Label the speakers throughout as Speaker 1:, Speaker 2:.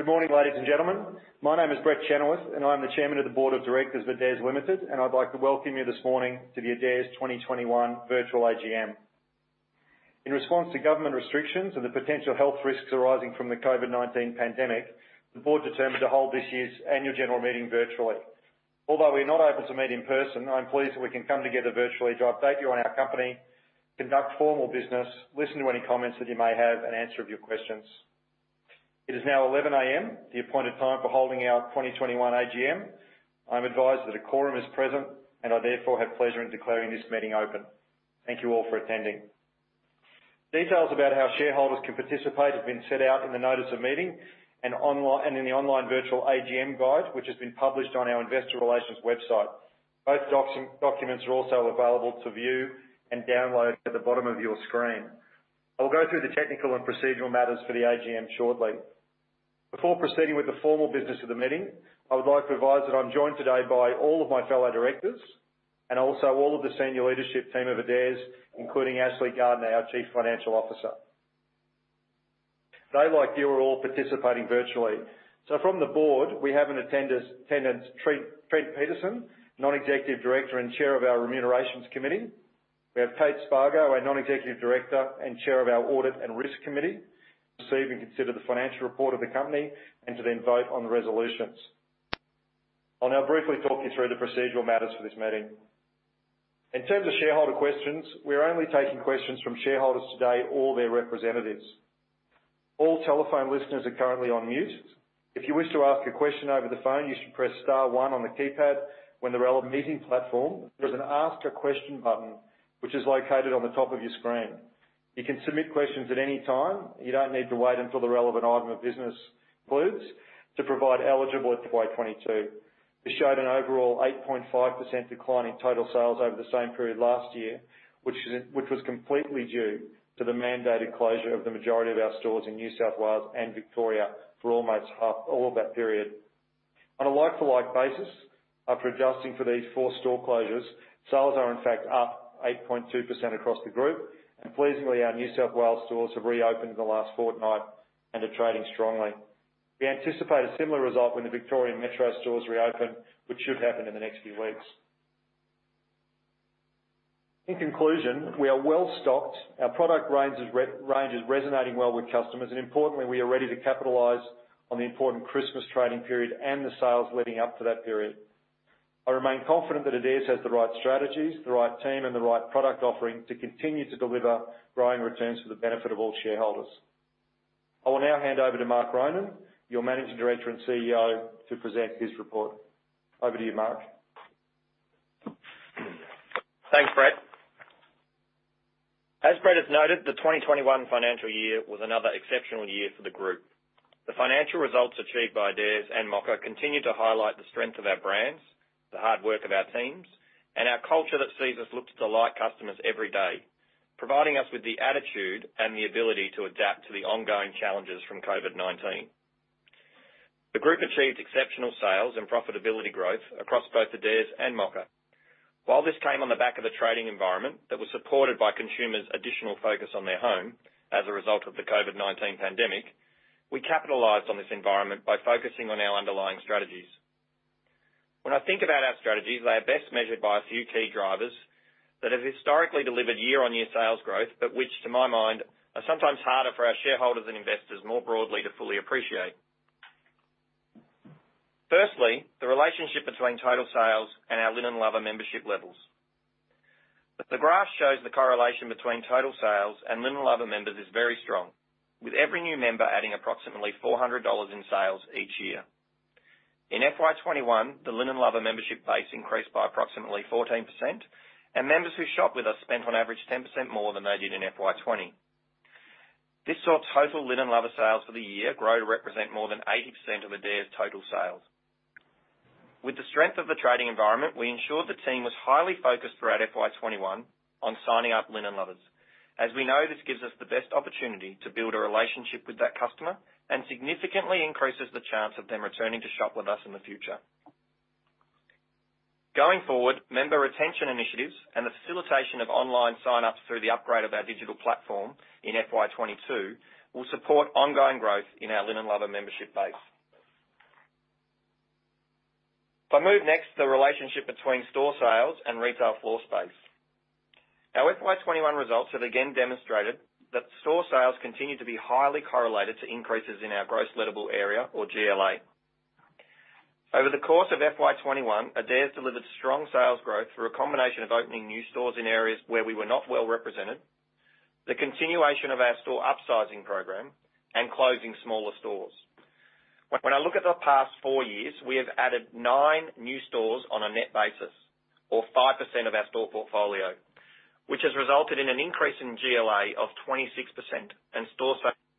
Speaker 1: Good morning, ladies and gentlemen. My name is Brett Chenoweth, and I'm the Chairman of the Board of Directors of Adairs Limited, and I'd like to welcome you this morning to the Adairs 2021 virtual AGM. In response to government restrictions and the potential health risks arising from the COVID-19 pandemic, the board determined to hold this year's annual general meeting virtually. Although we're not able to meet in person, I'm pleased that we can come together virtually to update you on our company, conduct formal business, listen to any comments that you may have, and answer a few questions. It is now 11:00 A.M., the appointed time for holding our 2021 AGM. I'm advised that a quorum is present, and I therefore have pleasure in declaring this meeting open. Thank you all for attending. Details about how shareholders can participate have been set out in the notice of meeting and in the online virtual AGM guide, which has been published on our investor relations website. Both documents are also available to view and download at the bottom of your screen. I will go through the technical and procedural matters for the AGM shortly. Before proceeding with the formal business of the meeting, I would like to advise that I'm joined today by all of my fellow directors and also all of the senior leadership team of Adairs, including Ashley Gardner, Chief Financial Officer. They, like you, are all participating virtually. From the board, we have in attendance Trent Peterson, Non-Executive Director and Chair of our Remuneration Committee. We have Kate Spargo, our Non-Executive Director and Chair of our Audit and Risk Committee, to receive and consider the financial report of the company, and to then vote on the resolutions. I'll now briefly talk you through the procedural matters for this meeting. In terms of shareholder questions, we are only taking questions from shareholders today or their representatives. All telephone listeners are currently on mute. If you wish to ask a question over the phone, you should press star one on the keypad. There's an ask a question button, which is located on the top of your screen. You can submit questions at any time. You don't need to wait until the relevant item of business concludes. This showed an overall 8.5% decline in total sales over the same period last year, which was completely due to the mandated closure of the majority of our stores in New South Wales and Victoria for almost all of that period. On a like-to-like basis, after adjusting for these four store closures, sales are in fact up 8.2% across the group. Pleasingly, our New South Wales stores have reopened in the last fortnight and are trading strongly. We anticipate a similar result when the Victorian Metro stores reopen, which should happen in the next few weeks. In conclusion, we are well-stocked, our product range is resonating well with customers, and importantly, we are ready to capitalize on the important Christmas trading period and the sales leading up to that period. I remain confident that Adairs has the right strategies, the right team, and the right product offering to continue to deliver growing returns for the benefit of all shareholders. I will now hand over to Mark Ronan, your Managing Director and CEO, to present his report. Over to you, Mark.
Speaker 2: Thanks, Brett. As Brett has noted, the 2021 financial year was another exceptional year for the group. The financial results achieved by Adairs and Mocka continue to highlight the strength of our brands, the hard work of our teams, and our culture that sees us look to delight customers every day, providing us with the attitude and the ability to adapt to the ongoing challenges from COVID-19. The group achieved exceptional sales and profitability growth across both Adairs and Mocka. While this came on the back of a trading environment that was supported by consumers' additional focus on their home as a result of the COVID-19 pandemic, we capitalized on this environment by focusing on our underlying strategies. When I think about our strategies, they are best measured by a few key drivers that have historically delivered year-on-year sales growth, but which to my mind, are sometimes harder for our shareholders and investors more broadly to fully appreciate. Firstly, the relationship between total sales and our Linen Lover membership levels. The graph shows the correlation between total sales and Linen Lovers is very strong, with every new member adding approximately 400 dollars in sales each year. In FY 2021, the Linen Lover membership base increased by approximately 14%, and members who shop with us spent on average 10% more than they did in FY 2020. This saw total Linen Lover sales for the year grow to represent more than 80% of Adairs' total sales. With the strength of the trading environment, we ensured the team was highly focused throughout FY 2021 on signing up Linen Lovers. As we know, this gives us the best opportunity to build a relationship with that customer and significantly increases the chance of them returning to shop with us in the future. Going forward, member retention initiatives and the facilitation of online sign-ups through the upgrade of our digital platform in FY22 will support ongoing growth in our Linen Lover membership base. If I move next to the relationship between store sales and retail floor space. Our FY21 results have again demonstrated that store sales continue to be highly correlated to increases in our gross lettable area or GLA. Over the course of FY21, Adairs delivered strong sales growth through a combination of opening new stores in areas where we were not well represented, the continuation of our store upsizing program, and closing smaller stores. When I look at the past four years, we have added nine new stores on a net basis, or 5% of our store portfolio, which has resulted in an increase in GLA of 26%.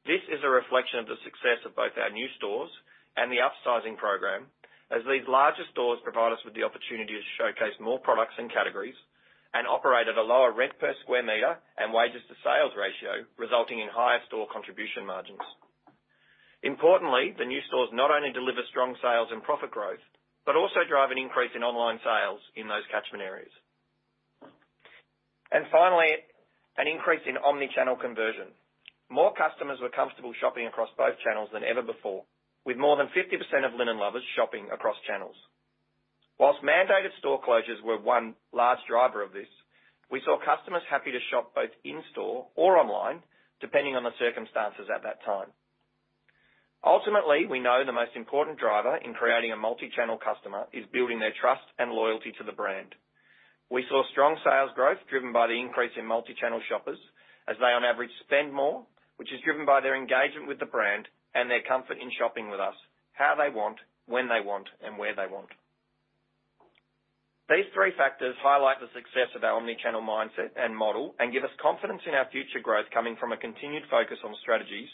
Speaker 2: This is a reflection of the success of both our new stores and the upsizing program, as these larger stores provide us with the opportunity to showcase more products and categories and operate at a lower rent-per-square-meter and wages-to-sales ratio, resulting in higher store contribution margins. Importantly, the new stores not only deliver strong sales and profit growth but also drive an increase in online sales in those catchment areas. Finally, an increase in omnichannel conversion. More customers were comfortable shopping across both channels than ever before, with more than 50% of Linen Lovers shopping across channels. Whilst mandated store closures were one large driver of this, we saw customers happy to shop both in-store or online, depending on the circumstances at that time. Ultimately, we know the most important driver in creating a multi-channel customer is building their trust and loyalty to the brand. We saw strong sales growth driven by the increase in multi-channel shoppers as they on average spend more, which is driven by their engagement with the brand and their comfort in shopping with us, how they want, when they want, and where they want. These three factors highlight the success of our omnichannel mindset and model and give us confidence in our future growth coming from a continued focus on strategies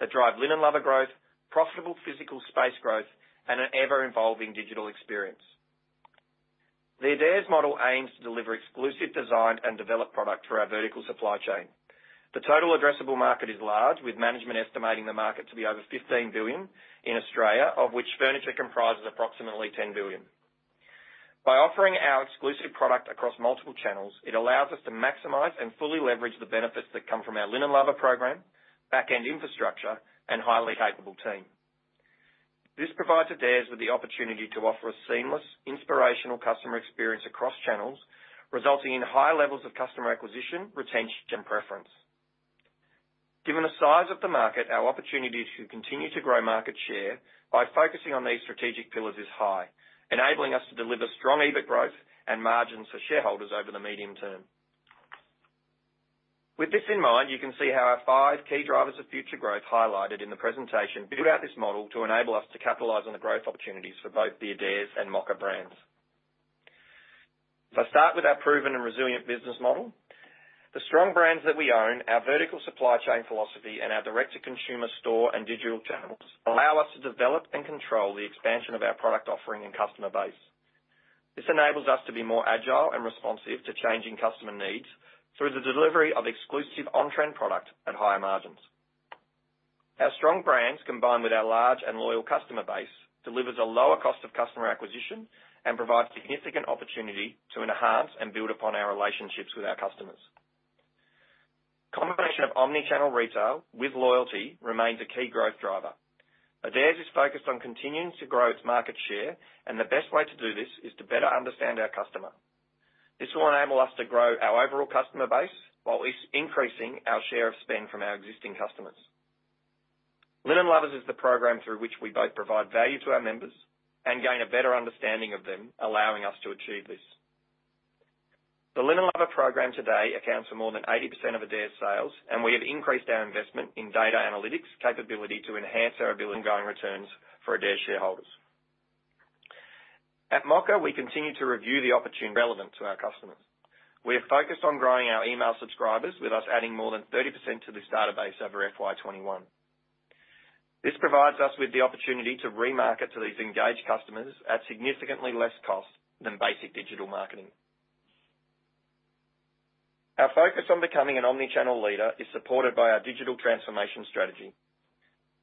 Speaker 2: that drive Linen Lover growth, profitable physical space growth, and an ever-evolving digital experience. The Adairs model aims to deliver exclusive design and develop product through our vertical supply chain. The total addressable market is large, with management estimating the market to be over 15 billion in Australia, of which furniture comprises approximately 10 billion. By offering our exclusive product across multiple channels, it allows us to maximize and fully leverage the benefits that come from our Linen Lover program, back-end infrastructure, and highly capable team. This provides Adairs with the opportunity to offer a seamless, inspirational customer experience across channels, resulting in high levels of customer acquisition, retention, and preference. Given the size of the market, our opportunity to continue to grow market share by focusing on these strategic pillars is high, enabling us to deliver strong EBIT growth and margins for shareholders over the medium term. With this in mind, you can see how our five key drivers of future growth highlighted in the presentation throughout this model to enable us to capitalize on the growth opportunities for both the Adairs and Mocka brands. If I start with our proven and resilient business model, the strong brands that we own, our vertical supply chain philosophy, and our direct-to-consumer store and digital channels allow us to develop and control the expansion of our product offering and customer base. This enables us to be more agile and responsive to changing customer needs through the delivery of exclusive on-trend product at higher margins. Our strong brands, combined with our large and loyal customer base, delivers a lower cost of customer acquisition and provides significant opportunity to enhance and build upon our relationships with our customers. Combination of omnichannel retail with loyalty remains a key growth driver. Adairs is focused on continuing to grow its market share, and the best way to do this is to better understand our customer. This will enable us to grow our overall customer base, while increasing our share of spend from our existing customers. Linen Lovers is the program through which we both provide value to our members and gain a better understanding of them, allowing us to achieve this. The Linen Lover program today accounts for more than 80% of Adairs' sales, and we have increased our investment in data analytics capability to enhance our ability ongoing returns for Adairs shareholders. At Mocka, we continue to review the opportune relevant to our customers. We are focused on growing our email subscribers, with us adding more than 30% to this database over FY21. This provides us with the opportunity to remarket to these engaged customers at significantly less cost than basic digital marketing. Our focus on becoming an omnichannel leader is supported by our digital transformation strategy.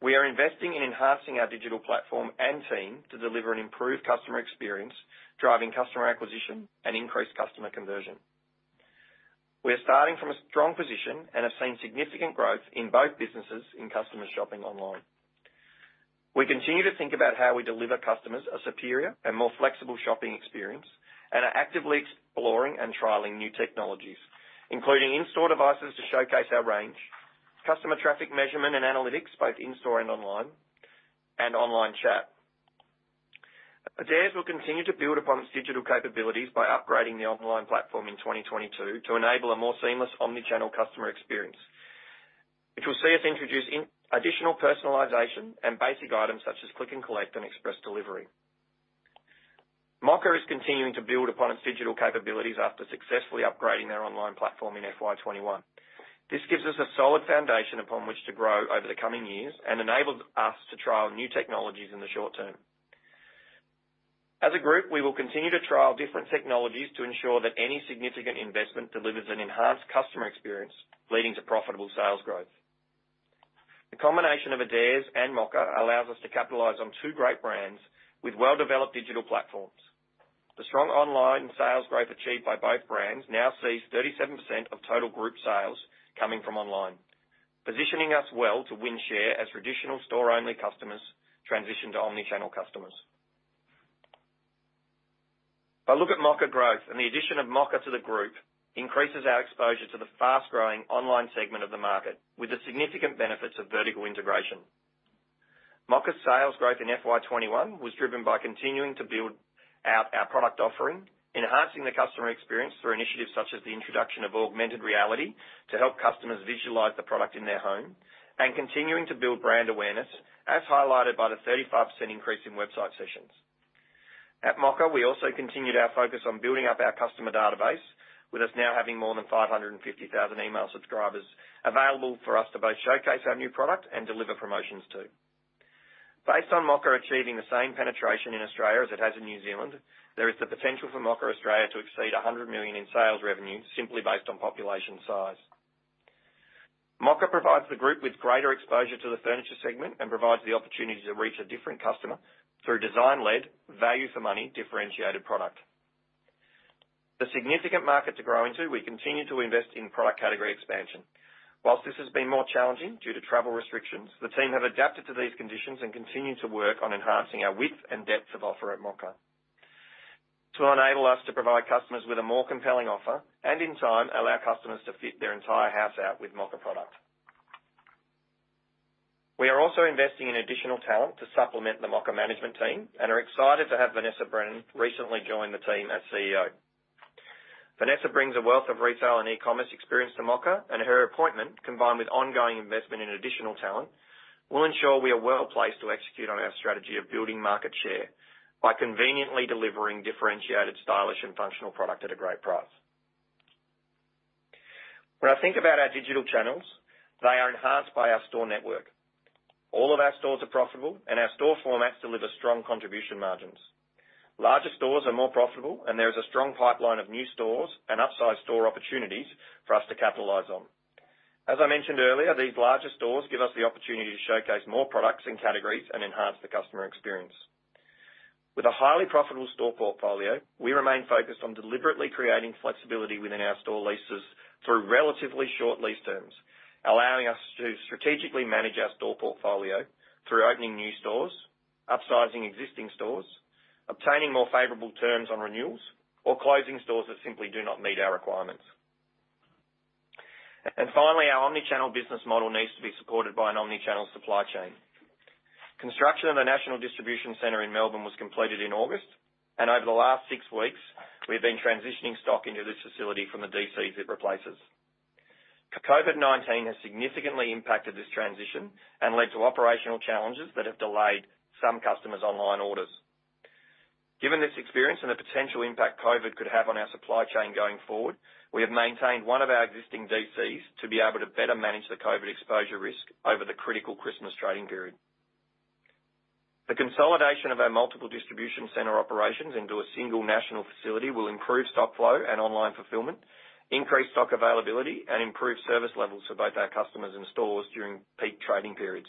Speaker 2: We are investing in enhancing our digital platform and team to deliver an improved customer experience, driving customer acquisition and increased customer conversion. We are starting from a strong position and have seen significant growth in both businesses in customers shopping online. We continue to think about how we deliver customers a superior and more flexible shopping experience, and are actively exploring and trialing new technologies, including in-store devices to showcase our range, customer traffic measurement and analytics, both in-store and online, and online chat. Adairs will continue to build upon its digital capabilities by upgrading the online platform in 2022 to enable a more seamless omnichannel customer experience, which will see us introduce additional personalization and basic items such as click and collect and express delivery. Mocka is continuing to build upon its digital capabilities after successfully upgrading their online platform in FY 2021. This gives us a solid foundation upon which to grow over the coming years and enables us to trial new technologies in the short term. As a group, we will continue to trial different technologies to ensure that any significant investment delivers an enhanced customer experience, leading to profitable sales growth. The combination of Adairs and Mocka allows us to capitalize on two great brands with well-developed digital platforms. The strong online sales growth achieved by both brands now sees 37% of total group sales coming from online, positioning us well to win share as traditional store-only customers transition to omnichannel customers. If I look at Mocka growth and the addition of Mocka to the group increases our exposure to the fast-growing online segment of the market with the significant benefits of vertical integration. Mocka's sales growth in FY21 was driven by continuing to build out our product offering, enhancing the customer experience through initiatives such as the introduction of augmented reality to help customers visualize the product in their home, and continuing to build brand awareness, as highlighted by the 35% increase in website sessions. At Mocka, we also continued our focus on building up our customer database, with us now having more than 550,000 email subscribers available for us to both showcase our new product and deliver promotions too. Based on Mocka achieving the same penetration in Australia as it has in New Zealand, there is the potential for Mocka Australia to exceed 100 million in sales revenue simply based on population size. Mocka provides the group with greater exposure to the furniture segment and provides the opportunity to reach a different customer through design-led value for money differentiated product. The significant market to grow into, we continue to invest in product category expansion. Whilst this has been more challenging due to travel restrictions, the team have adapted to these conditions and continue to work on enhancing our width and depth of offer at Mocka. To enable us to provide customers with a more compelling offer, and in time, allow customers to fit their entire house out with Mocka product. We are also investing in additional talent to supplement the Mocka Management Team and are excited to have Vanessa Brennan recently join the team as CEO. Vanessa brings a wealth of retail and e-commerce experience to Mocka, her appointment, combined with ongoing investment in additional talent, will ensure we are well placed to execute on our strategy of building market share by conveniently delivering differentiated, stylish, and functional product at a great price. When I think about our digital channels, they are enhanced by our store network. All of our stores are profitable, our store formats deliver strong contribution margins. Larger stores are more profitable, there is a strong pipeline of new stores and upsize store opportunities for us to capitalize on. As I mentioned earlier, these larger stores give us the opportunity to showcase more products and categories and enhance the customer experience. With a highly profitable store portfolio, we remain focused on deliberately creating flexibility within our store leases through relatively short lease terms, allowing us to strategically manage our store portfolio through opening new stores, upsizing existing stores, obtaining more favorable terms on renewals, or closing stores that simply do not meet our requirements. Finally, our omni-channel business model needs to be supported by an omni-channel supply chain. Construction of a national distribution center in Melbourne was completed in August, and over the last six weeks, we've been transitioning stock into this facility from the DCs it replaces. COVID-19 has significantly impacted this transition and led to operational challenges that have delayed some customers' online orders. Given this experience and the potential impact COVID could have on our supply chain going forward, we have maintained one of our existing DCs to be able to better manage the COVID exposure risk over the critical Christmas trading period. The consolidation of our multiple distribution center operations into a single national facility will improve stock flow and online fulfillment, increase stock availability, and improve service levels for both our customers and stores during peak trading periods.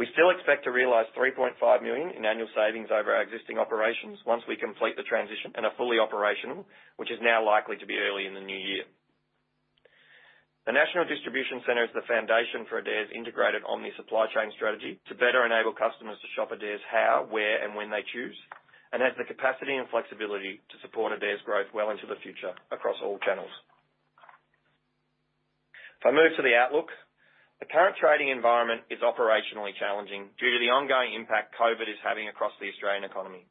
Speaker 2: We still expect to realize 3.5 million in annual savings over our existing operations once we complete the transition and are fully operational, which is now likely to be early in the new year. The National Distribution Center is the foundation for Adairs' integrated omni supply chain strategy to better enable customers to shop Adairs how, where, and when they choose, and has the capacity and flexibility to support Adairs' growth well into the future across all channels. The current trading environment is operationally challenging due to the ongoing impact COVID-19 is having across the Australian economy.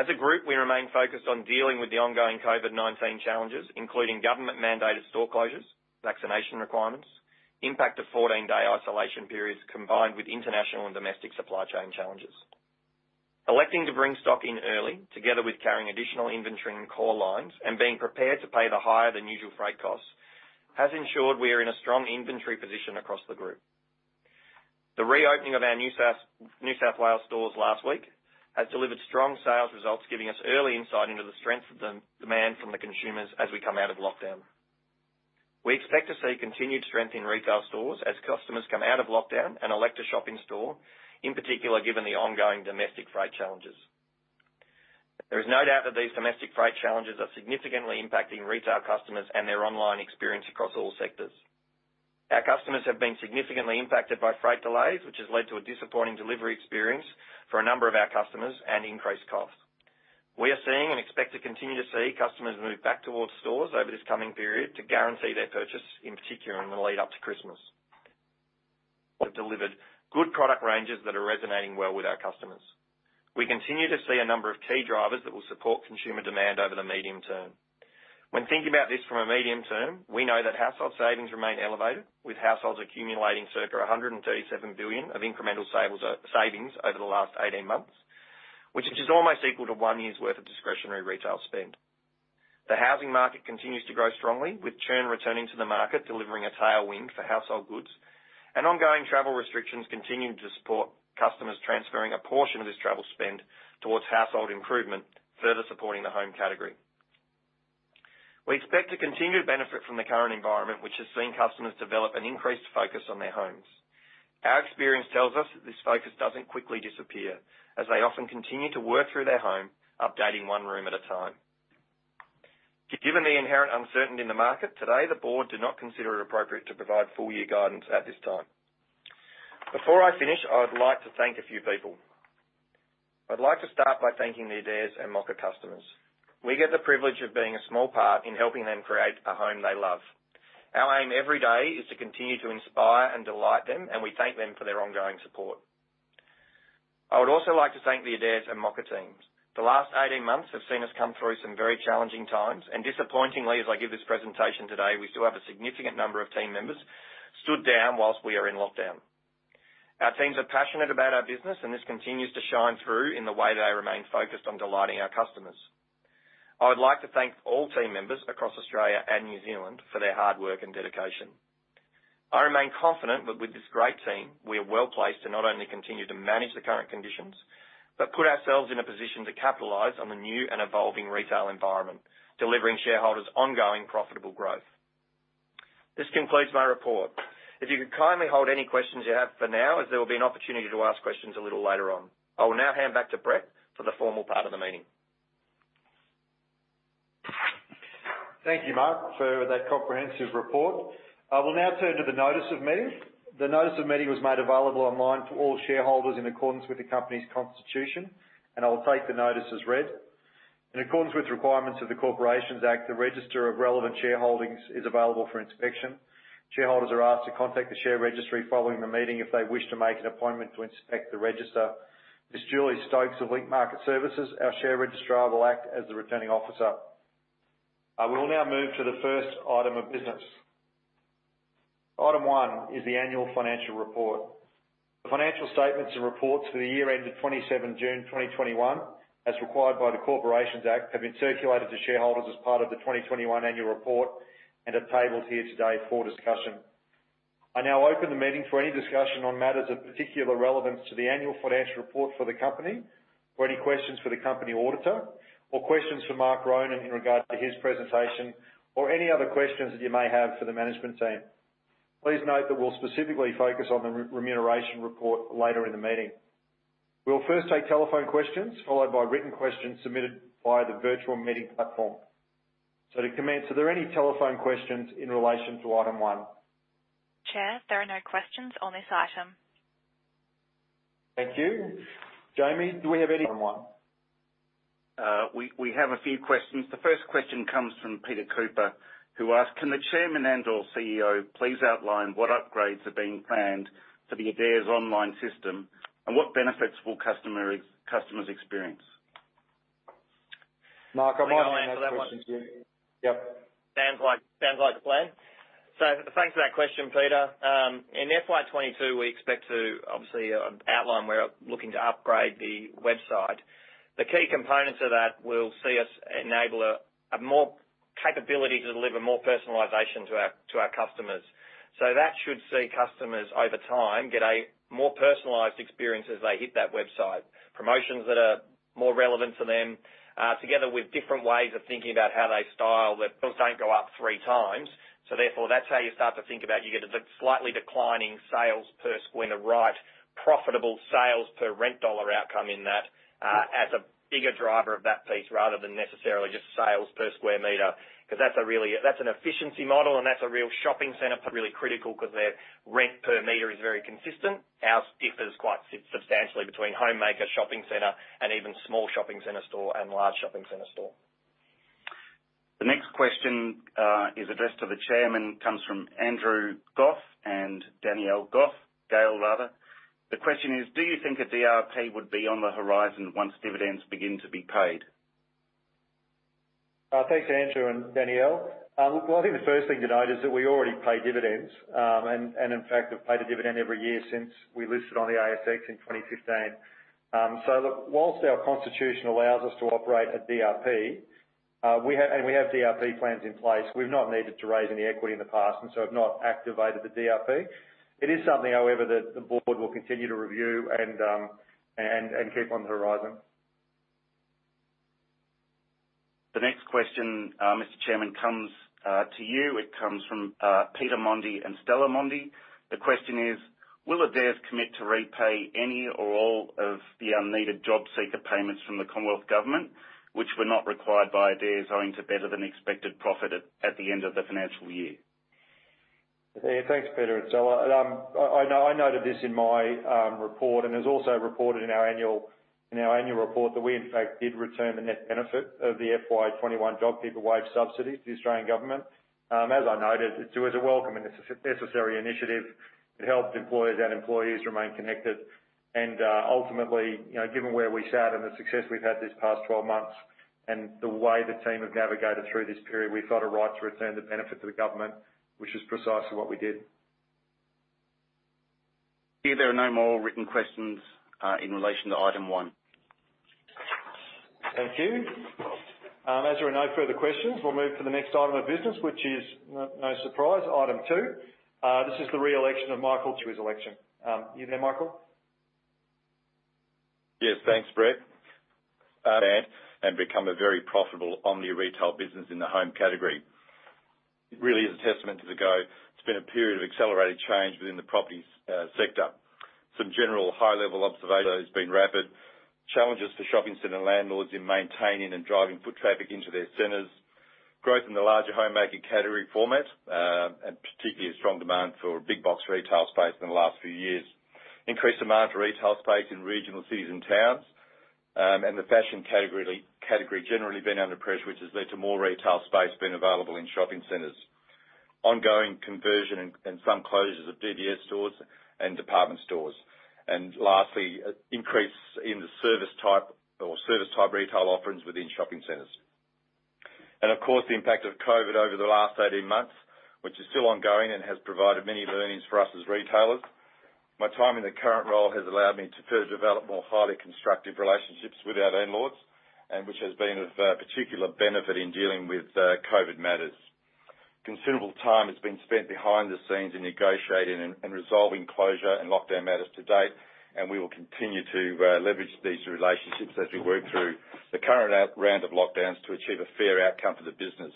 Speaker 2: As a group, we remain focused on dealing with the ongoing COVID-19 challenges, including government-mandated store closures, vaccination requirements, impact of 14-day isolation periods, combined with international and domestic supply chain challenges. Electing to bring stock in early, together with carrying additional inventory and core lines and being prepared to pay the higher than usual freight costs, has ensured we are in a strong inventory position across the group. The reopening of our New South Wales stores last week has delivered strong sales results, giving us early insight into the strength of the demand from the consumers as we come out of lockdown. We expect to see continued strength in retail stores as customers come out of lockdown and elect to shop in store, in particular, given the ongoing domestic freight challenges. There is no doubt that these domestic freight challenges are significantly impacting retail customers and their online experience across all sectors. Our customers have been significantly impacted by freight delays, which has led to a disappointing delivery experience for a number of our customers and increased costs. We are seeing and expect to continue to see customers move back towards stores over this coming period to guarantee their purchase, in particular, in the lead up to Christmas. We've delivered good product ranges that are resonating well with our customers. We continue to see a number of key drivers that will support consumer demand over the medium term. When thinking about this from a medium term, we know that household savings remain elevated, with households accumulating circa AUD 137 billion of incremental savings over the last 18 months, which is almost equal to one year's worth of discretionary retail spend. The housing market continues to grow strongly, with churn returning to the market, delivering a tailwind for household goods, and ongoing travel restrictions continuing to support customers transferring a portion of this travel spend towards household improvement, further supporting the home category. We expect to continue to benefit from the current environment, which has seen customers develop an increased focus on their homes. Our experience tells us that this focus doesn't quickly disappear, as they often continue to work through their home, updating one room at a time. Given the inherent uncertainty in the market, today, the board did not consider it appropriate to provide full year guidance at this time. Before I finish, I would like to thank a few people. I'd like to start by thanking the Adairs and Mocka customers. We get the privilege of being a small part in helping them create a home they love. Our aim every day is to continue to inspire and delight them, and we thank them for their ongoing support. I would also like to thank the Adairs and Mocka teams. The last 18 months have seen us come through some very challenging times, and disappointingly, as I give this presentation today, we still have a significant number of team members stood down whilst we are in lockdown. Our teams are passionate about our business, and this continues to shine through in the way they remain focused on delighting our customers. I would like to thank all team members across Australia and New Zealand for their hard work and dedication. I remain confident that with this great team, we are well-placed to not only continue to manage the current conditions, but put ourselves in a position to capitalize on the new and evolving retail environment, delivering shareholders ongoing profitable growth. This concludes my report. If you could kindly hold any questions you have for now, as there will be an opportunity to ask questions a little later on. I will now hand back to Brett for the formal part of the meeting.
Speaker 1: Thank you, Mark, for that comprehensive report. I will now turn to the notice of meeting. The notice of meeting was made available online to all shareholders in accordance with the company's constitution. I will take the notice as read. In accordance with the requirements of the Corporations Act, the register of relevant shareholdings is available for inspection. Shareholders are asked to contact the share registry following the meeting if they wish to make an appointment to inspect the register. Ms. Julie Stokes of Link Market Services, our share registrar, will act as the returning officer. I will now move to the first item of business. Item one is the annual financial report. The financial statements and reports for the year ended 27 June 2021, as required by the Corporations Act, have been circulated to shareholders as part of the 2021 annual report and are tabled here today for discussion. I now open the meeting for any discussion on matters of particular relevance to the annual financial report for the company, or any questions for the company auditor, or questions for Mark Ronan in regard to his presentation, or any other questions that you may have for the management team. Please note that we'll specifically focus on the remuneration report later in the meeting. We'll first take telephone questions, followed by written questions submitted via the virtual meeting platform. To commence, are there any telephone questions in relation to item one?
Speaker 3: Chair, there are no questions on this item.
Speaker 1: Thank you. Jamie, do we have any item one?
Speaker 4: We have a few questions. The first question comes from Peter Cooper, who asks, "Can the Chairman and/or CEO please outline what upgrades are being planned for the Adairs online system, and what benefits will customers experience?
Speaker 1: Mark, I might hand that question to you.
Speaker 2: Yep. Sounds like a plan. Thanks for that question, Peter. In FY22, we expect to obviously outline we're looking to upgrade the website. The key components of that will see us enable more capability to deliver more personalization to our customers. That should see customers, over time, get a more personalized experience as they hit that website. Promotions that are more relevant to them, together with different ways of thinking about how they style their bills don't go up 3x. That's how you start to think about, you get a slightly declining sales per square meter, right? Profitable sales per rent dollar outcome in that as a bigger driver of that piece rather than necessarily just sales per square meter, because that's an efficiency model and that's a real shopping center, but really critical because their rent per meter is very consistent. Ours differs quite substantially between homemaker shopping center and even small shopping center store and large shopping center store.
Speaker 4: The next question is addressed to the Chairman, comes from Andrew Goff and Danielle Gayle. The question is: Do you think a DRP would be on the horizon once dividends begin to be paid?
Speaker 1: Thanks, Andrew and Danielle. I think the first thing to note is that we already pay dividends, and in fact, have paid a dividend every year since we listed on the ASX in 2015. Look, whilst our constitution allows us to operate a DRP, and we have DRP plans in place, we've not needed to raise any equity in the past, and so have not activated the DRP. It is something, however, that the board will continue to review and keep on the horizon.
Speaker 4: The next question, Mr. Chairman, comes to you. It comes from Peter Mondy and Stella Mondy. The question is: Will Adairs commit to repay any or all of the unneeded JobKeeper payments from the Commonwealth Government, which were not required by Adairs owing to better than expected profit at the end of the financial year?
Speaker 1: Yeah. Thanks, Peter and Stella. I noted this in my report and has also reported in our annual report that we, in fact, did return the net benefit of the FY 2021 JobKeeper wage subsidy to the Australian Government. As I noted, it was a welcome and necessary initiative. It helped employers and employees remain connected. Ultimately, given where we sat and the success we've had these past 12 months and the way the team have navigated through this period, we felt a right to return the benefit to the government, which is precisely what we did.
Speaker 4: Steve, there are no more written questions in relation to item one.
Speaker 1: Thank you. As there are no further questions, we'll move to the next item of business, which is no surprise, item two. This is the reelection of Michael to his election. You there, Michael?
Speaker 5: Yes, thanks, Brett. Become a very profitable omni-retail business in the home category. It really is a testament to the go. It's been a period of accelerated change within the property sector. Some general high-level observations has been rapid. Challenges to shopping center landlords in maintaining and driving foot traffic into their centers. Growth in the larger homemaking category format, and particularly a strong demand for big box retail space in the last few years. Increased demand for retail space in regional cities and towns, and the fashion category generally been under pressure, which has led to more retail space being available in shopping centers. Ongoing conversion and some closures of DDS stores and department stores. Lastly, increase in the service type retail offerings within shopping centers. Of course, the impact of COVID over the last 18 months, which is still ongoing and has provided many learnings for us as retailers. My time in the current role has allowed me to further develop more highly constructive relationships with our landlords, and which has been of particular benefit in dealing with COVID matters. Considerable time has been spent behind the scenes in negotiating and resolving closure and lockdown matters to date, and we will continue to leverage these relationships as we work through the current round of lockdowns to achieve a fair outcome for the business.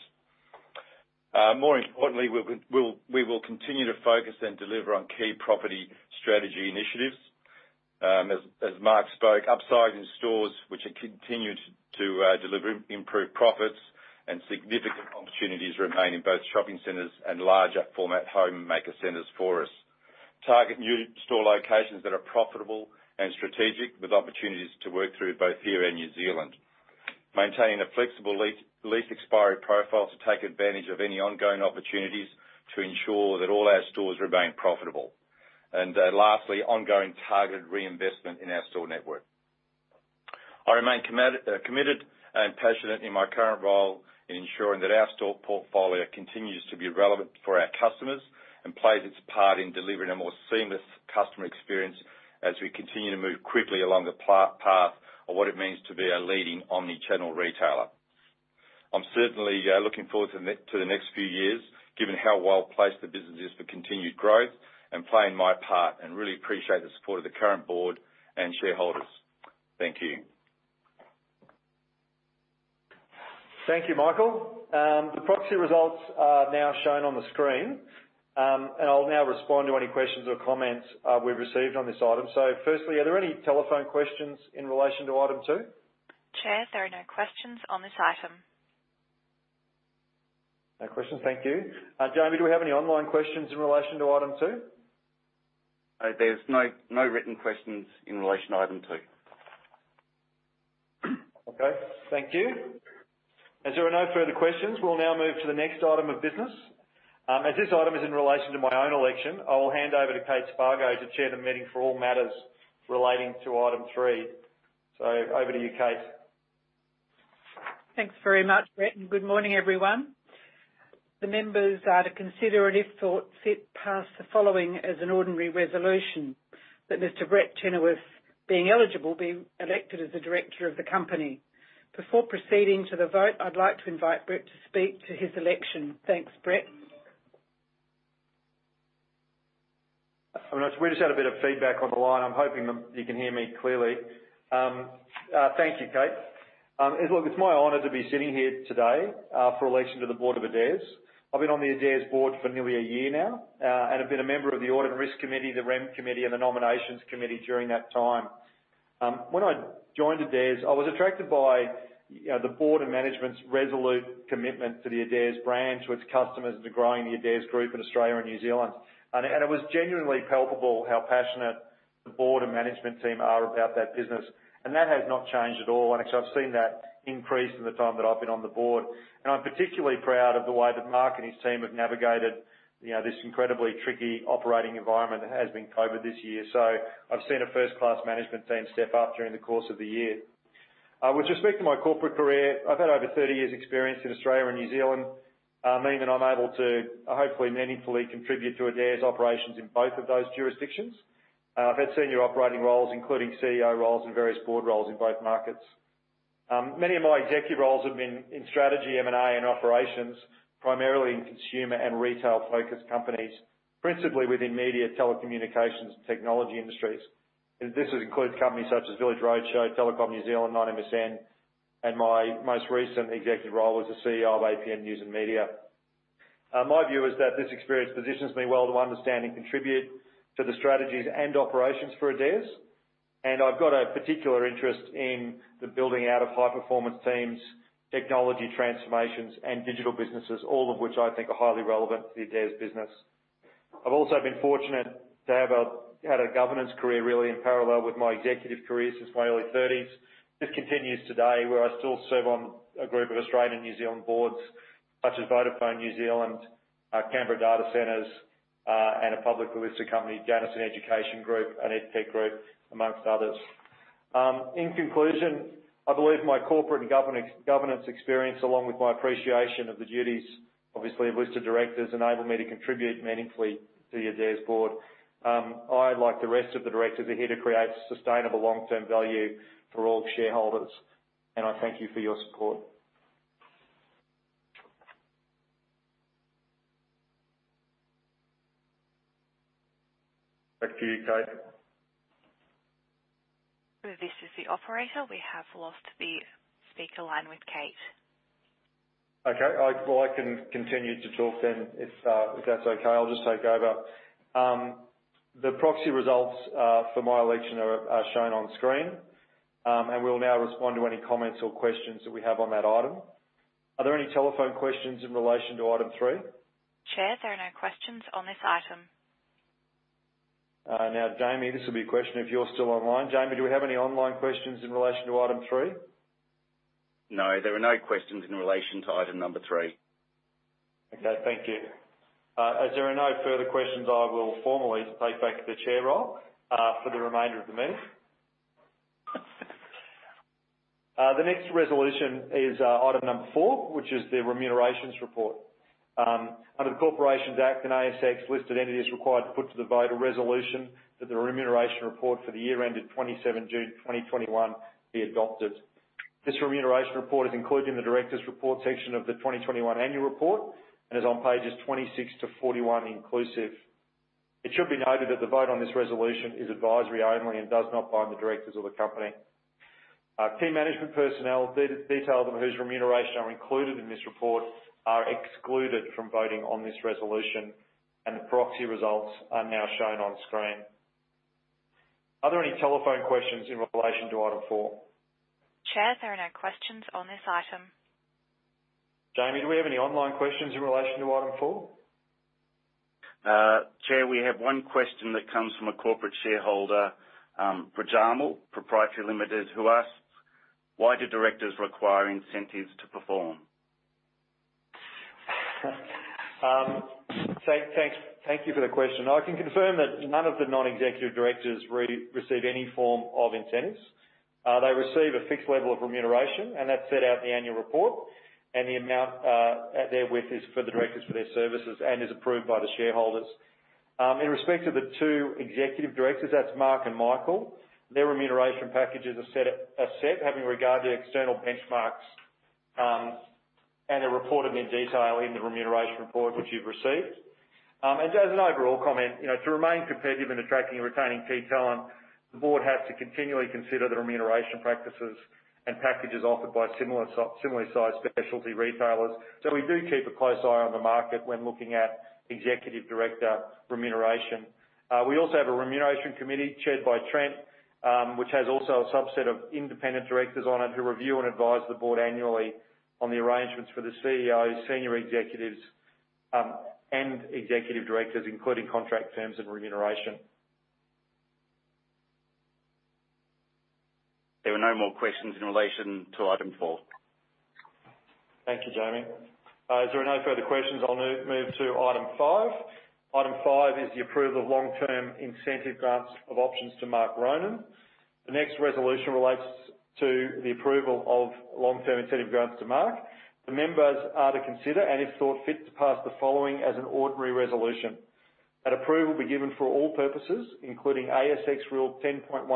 Speaker 5: More importantly, we will continue to focus and deliver on key property strategy initiatives. As Mark spoke, upsizing stores, which have continued to deliver improved profits, and significant opportunities remain in both shopping centers and larger format homemaker centers for us. Target new store locations that are profitable and strategic, with opportunities to work through both here and New Zealand. Maintaining a flexible lease expiry profile to take advantage of any ongoing opportunities to ensure that all our stores remain profitable. Lastly, ongoing targeted reinvestment in our store network. I remain committed and passionate in my current role in ensuring that our store portfolio continues to be relevant for our customers and plays its part in delivering a more seamless customer experience as we continue to move quickly along the path of what it means to be a leading omni-channel retailer. I'm certainly looking forward to the next few years, given how well-placed the business is for continued growth and playing my part, and really appreciate the support of the current board and shareholders. Thank you.
Speaker 1: Thank you, Michael. The proxy results are now shown on the screen. I'll now respond to any questions or comments we've received on this item. Firstly, are there any telephone questions in relation to item two?
Speaker 3: Chair, there are no questions on this item.
Speaker 1: No questions. Thank you. Jamie, do we have any online questions in relation to item two?
Speaker 4: There's no written questions in relation to item two.
Speaker 1: Okay. Thank you. As there are no further questions, we'll now move to the next item of business. As this item is in relation to my own election, I will hand over to Kate Spargo to chair the meeting for all matters relating to item three. Over to you, Kate.
Speaker 6: Thanks very much, Brett, and good morning, everyone. The members are to consider, and if thought fit, pass the following as an ordinary resolution, that Mr. Brett Chenoweth, being eligible, be elected as a director of the company. Before proceeding to the vote, I'd like to invite Brett to speak to his election. Thanks, Brett.
Speaker 1: We just had a bit of feedback on the line. I'm hoping you can hear me clearly. Thank you, Kate. It's my honor to be sitting here today for election to the board of Adairs. I've been on the Adairs board for nearly a year now, and have been a member of the Audit and Risk Committee, the REM Committee, and the Nominations Committee during that time. When I joined Adairs, I was attracted by the board and management's resolute commitment to the Adairs brand, to its customers, and to growing the Adairs group in Australia and New Zealand. It was genuinely palpable how passionate the board and management team are about that business, and that has not changed at all. Actually, I've seen that increase in the time that I've been on the board. I'm particularly proud of the way that Mark Ronan and his team have navigated this incredibly tricky operating environment that has been COVID this year. I've seen a first-class management team step up during the course of the year. With respect to my corporate career, I've had over 30 years' experience in Australia and New Zealand, meaning that I'm able to, hopefully meaningfully contribute to Adairs' operations in both of those jurisdictions. I've had senior operating roles, including CEO roles and various board roles in both markets. Many of my executive roles have been in strategy, M&A, and operations, primarily in consumer and retail-focused companies, principally within media, telecommunications, and technology industries. This has included companies such as Village Roadshow, Telecom New Zealand, ninemsn, and my most recent executive role as the CEO of APN News & Media. My view is that this experience positions me well to understand and contribute to the strategies and operations for Adairs. I've got a particular interest in the building out of high-performance teams, technology transformations, and digital businesses, all of which I think are highly relevant to the Adairs business. I've also been fortunate to have had a governance career really in parallel with my executive career since my early 30s. This continues today, where I still serve on a group of Australian, New Zealand boards such as Vodafone New Zealand, Canberra Data Centres, and a public listed company, Janison Education Group, an edtech group, amongst others. In conclusion, I believe my corporate and governance experience, along with my appreciation of the duties, obviously, of listed directors, enable me to contribute meaningfully to the Adairs board. I, like the rest of the directors, are here to create sustainable long-term value for all shareholders, and I thank you for your support. Back to you, Kate.
Speaker 3: This is the operator. We have lost the speaker line with Kate.
Speaker 1: Okay. Well, I can continue to talk then, if that's okay. I'll just take over. The proxy results for my election are shown on screen. We'll now respond to any comments or questions that we have on that item. Are there any telephone questions in relation to item three?
Speaker 3: Chair, there are no questions on this item.
Speaker 1: Jamie, this will be a question if you're still online. Jamie, do we have any online questions in relation to item three?
Speaker 4: No, there are no questions in relation to item number three.
Speaker 1: Okay. Thank you. As there are no further questions, I will formally take back the chair role for the remainder of the meeting. The next resolution is item number four, which is the Remuneration Report. Under the Corporations Act and ASX, listed entities are required to put to the vote a resolution that the Remuneration Report for the year ended 27 June 2021 be adopted. This Remuneration Report is included in the directors' report section of the 2021 annual report and is on pages 26-41 inclusive. It should be noted that the vote on this resolution is advisory only and does not bind the directors of the company. Key management personnel, detailed of whose remuneration are included in this report, are excluded from voting on this resolution. The proxy results are now shown on screen. Are there any telephone questions in relation to item four?
Speaker 3: Chair, there are no questions on this item.
Speaker 1: Jamie, do we have any online questions in relation to item four?
Speaker 4: Chair, we have one question that comes from a corporate shareholder, Brajamal Pty Limited, who asks, "Why do directors require incentives to perform?
Speaker 1: Thank you for the question. I can confirm that none of the non-executive directors receive any form of incentives. They receive a fixed level of remuneration, that's set out in the annual report. The amount therewith is for the directors for their services and is approved by the shareholders. In respect to the two executive directors, that's Mark and Michael, their remuneration packages are set having regard to external benchmarks, and they're reported in detail in the remuneration report which you've received. As an overall comment, to remain competitive in attracting and retaining key talent, the board has to continually consider the remuneration practices and packages offered by similarly sized specialty retailers. We do keep a close eye on the market when looking at executive director remuneration. We also have a Remuneration Committee chaired by Trent, which has also a subset of independent directors on it who review and advise the board annually on the arrangements for the CEOs, senior executives, and executive directors, including contract terms and remuneration.
Speaker 4: There were no more questions in relation to item four.
Speaker 1: Thank you, Jamie. As there are no further questions, I'll now move to item five. Item five is the approval of long-term incentive grants of options to Mark Ronan. The next resolution relates to the approval of long-term incentive grants to Mark. The members are to consider, and if thought fit, to pass the following as an ordinary resolution: That approval be given for all purposes, including ASX Listing Rule 10.14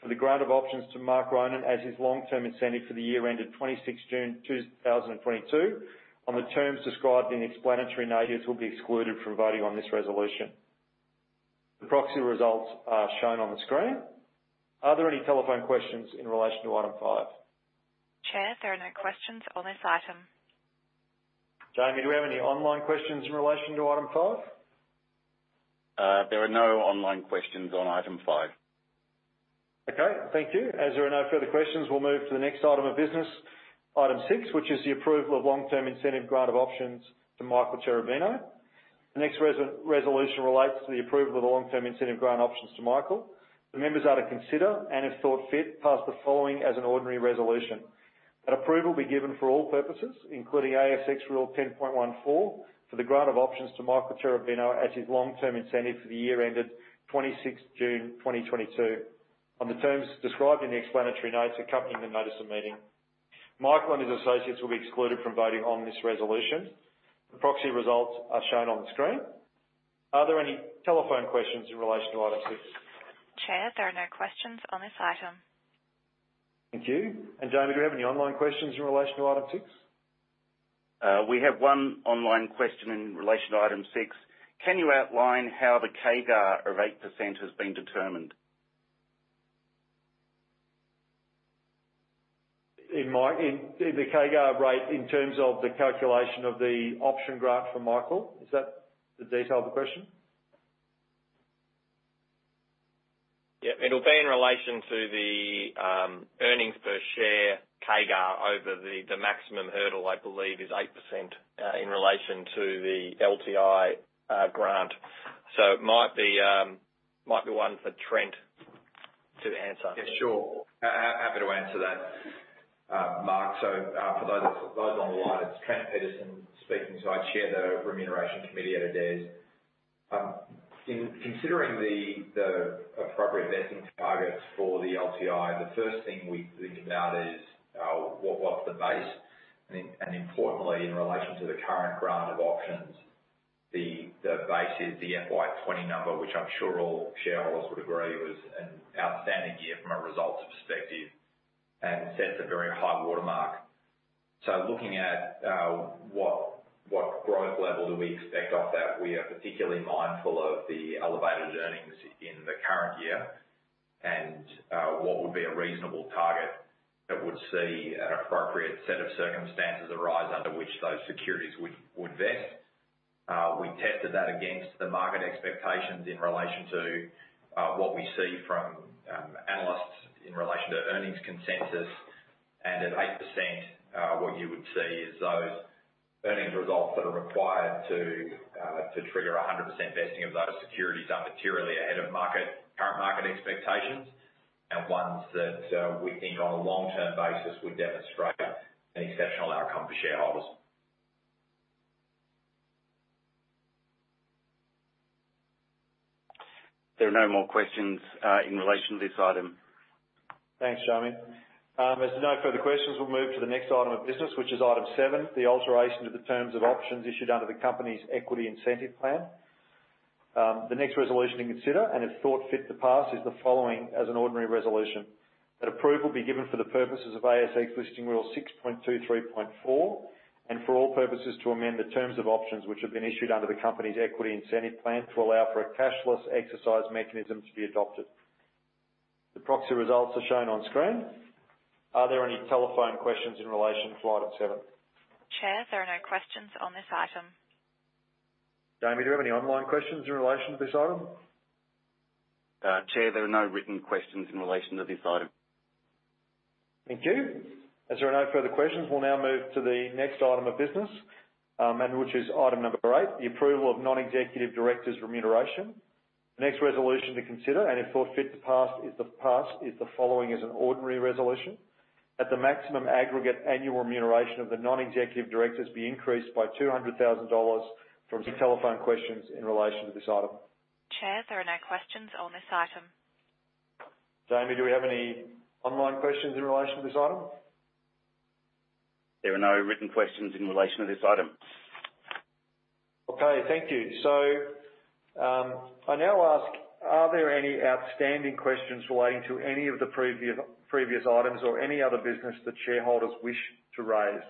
Speaker 1: for the grant of options to Mark Ronan as his long-term incentive for the year ended June 26 2022 on the terms described in explanatory notes will be excluded from voting on this resolution. The proxy results are shown on the screen. Are there any telephone questions in relation to item five?
Speaker 3: Chair, there are no questions on this item.
Speaker 1: Jamie, do we have any online questions in relation to item five?
Speaker 4: There are no online questions on item five.
Speaker 1: Okay. Thank you. As there are no further questions, we'll move to the next item of business, item 6, which is the approval of long-term incentive grant of options to Michael Cherubino. The next resolution relates to the approval of the long-term incentive grant options to Michael. The members are to consider, and if thought fit, pass the following as an ordinary resolution: That approval be given for all purposes, including ASX rule 10.14 for the grant of options to Michael Cherubino as his long-term incentive for the year ended June 26 2022 on the terms described in the explanatory notes accompanying the notice of meeting. Michael and his associates will be excluded from voting on this resolution. The proxy results are shown on the screen. Are there any telephone questions in relation to item six?
Speaker 3: Chair, there are no questions on this item.
Speaker 1: Thank you. Jamie, do we have any online questions in relation to item six?
Speaker 4: We have one online question in relation to item six. Can you outline how the CAGR of 8% has been determined?
Speaker 1: The CAGR rate in terms of the calculation of the option grant for Michael? Is that the detail of the question?
Speaker 4: Yeah. It'll be in relation to the earnings per share CAGR over the maximum hurdle, I believe is 8%, in relation to the LTI grant. It might be one for Trent to answer.
Speaker 7: Yeah, sure. Happy to answer that, Mark. For those on the line, it's Trent Peterson speaking. I chair the Remuneration Committee at Adairs. In considering the appropriate vesting targets for the LTI, the first thing we think about is what's the base. Importantly, in relation to the current grant of options, the base is the FY 2020 number, which I'm sure all shareholders would agree was an outstanding year from a results perspective and sets a very high watermark. Looking at what growth level do we expect off that, we are particularly mindful of the elevated earnings in the current year and what would be a reasonable target that would see an appropriate set of circumstances arise under which those securities would vest. We tested that against the market expectations in relation to what we see from analysts in relation to earnings consensus. At 8%, what you would see is those earnings results that are required to trigger 100% vesting of those securities are materially ahead of current market expectations and ones that we think on a long-term basis would demonstrate an exceptional outcome for shareholders.
Speaker 4: There are no more questions in relation to this item.
Speaker 1: Thanks, Jamie. As there are no further questions, we'll move to the next item of business, which is item seven, the alteration to the terms of options issued under the company's equity incentive plan. The next resolution to consider, and if thought fit to pass, is the following as an ordinary resolution, that approval be given for the purposes of ASX Listing Rule 6.23.4, and for all purposes to amend the terms of options which have been issued under the company's equity incentive plan to allow for a cashless exercise mechanism to be adopted. The proxy results are shown on screen. Are there any telephone questions in relation to item seven?
Speaker 3: Chair, there are no questions on this item.
Speaker 1: Jamie, do we have any online questions in relation to this item?
Speaker 4: Chair, there are no written questions in relation to this item.
Speaker 1: Thank you. As there are no further questions, we'll now move to the next item of business, which is item number eight, the approval of non-executive directors' remuneration. The next resolution to consider, and if thought fit to pass, is the following as an ordinary resolution, that the maximum aggregate annual remuneration of the non-executive directors be increased by 200,000 dollars. Are there any telephone questions in relation to this item?
Speaker 3: Chair, there are no questions on this item.
Speaker 1: Jamie, do we have any online questions in relation to this item?
Speaker 4: There are no written questions in relation to this item.
Speaker 1: Okay, thank you. I now ask, are there any outstanding questions relating to any of the previous items or any other business that shareholders wish to raise?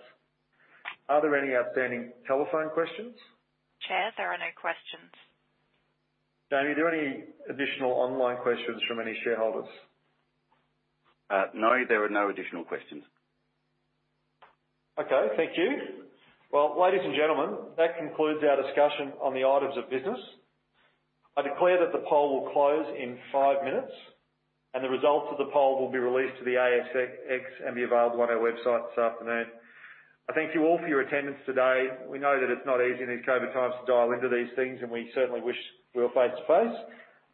Speaker 1: Are there any outstanding telephone questions?
Speaker 3: Chair, there are no questions.
Speaker 1: Jamie, are there any additional online questions from any shareholders?
Speaker 4: No, there are no additional questions.
Speaker 1: Okay, thank you. Well, ladies and gentlemen, that concludes our discussion on the items of business. I declare that the poll will close in five minutes, and the results of the poll will be released to the ASX and be available on our website this afternoon. I thank you all for your attendance today. We know that it's not easy in these COVID times to dial into these things, and we certainly wish we were face to face.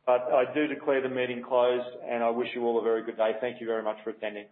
Speaker 1: I do declare the meeting closed, and I wish you all a very good day. Thank you very much for attending.